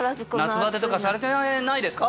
夏バテとかされてないですか？